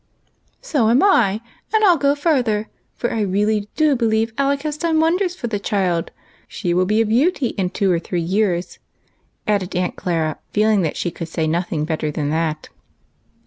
" So am I ; and I '11 go farther, for I really do believe Alec has done wonders for the child ; she will be a beauty in two or three years," added Aunt Clara, feeling that she could say nothing better than that.